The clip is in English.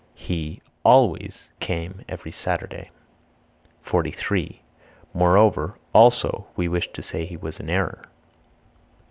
He (always) came every Sunday. 43. Moreover, (also) we wish to say he was in error.